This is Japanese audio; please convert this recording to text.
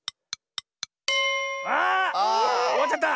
あおわっちゃった！